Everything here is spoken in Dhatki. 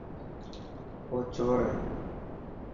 او چور هي.